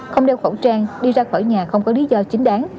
không đeo khẩu trang đi ra khỏi nhà không có lý do chính đáng